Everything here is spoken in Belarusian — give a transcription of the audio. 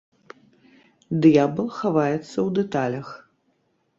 Д'ябал хаваецца ў дэталях.